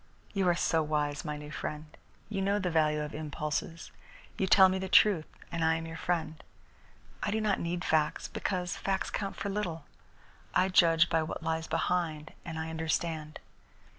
You are so wise, my new friend. You know the value of impulses. You tell me the truth, and I am your friend. I do not need facts, because facts count for little. I judge by what lies behind, and I understand.